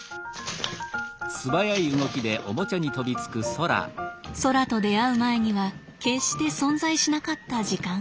そらと出会う前には決して存在しなかった時間。